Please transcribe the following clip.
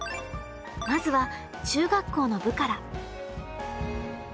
まずは中学校の部から。